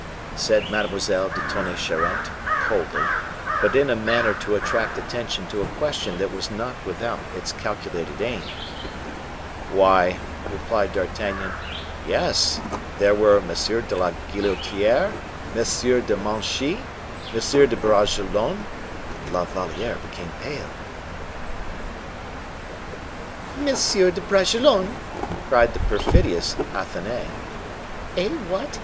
said Mademoiselle de Tonnay Charente, coldly, but in a manner to attract attention to a question that was not without its calculated aim. "Why," replied D'Artagnan, "yes; there were M. de la Guillotiere, M. de Manchy, M. de Bragelonne " La Valliere became pale. "M. de Bragelonne!" cried the perfidious Athenais. "Eh, what!